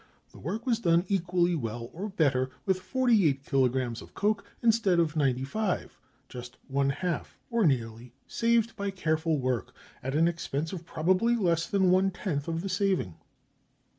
The work was done equally well, or better, with forty eight kilogrammes of coke instead of ninety five; just one half, or nearly, saved by careful work, at an expense of probably less than one tenth of the saving."